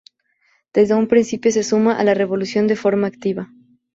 Desde un principio se suma a la revolución de forma activa.